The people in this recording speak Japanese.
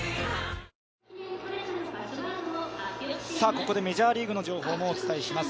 ここでメジャーリーグの情報をお伝えします。